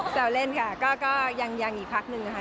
แซวเล่นค่ะก็ยังอีกพักหนึ่งค่ะ